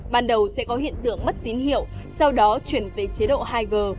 ban đầu sẽ có hiện tượng mất tín hiệu sau đó chuyển về chế độ hai g